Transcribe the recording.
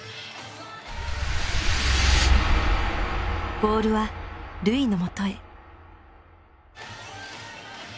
ボールは瑠唯のもとへ。